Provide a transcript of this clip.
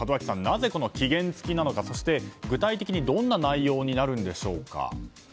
なぜ期限付きなのかそして、具体的にどんな内容になるんでしょうか。